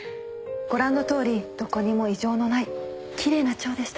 ご覧のとおりどこにも異常のない奇麗な腸でした